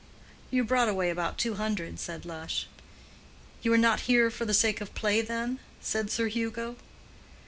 "You brought away about two hundred," said Lush. "You are not here for the sake of the play, then?" said Sir Hugo.